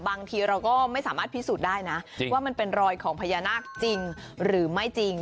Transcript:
บางทีเราก็ไม่สามารถพิสูจน์ได้นะว่ามันเป็นรอยของพญานาคจริงหรือไม่จริง